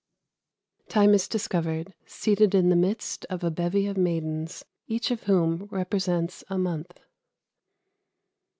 (_Time is discovered seated in the midst of a bevy of maidens, each of whom represents a month.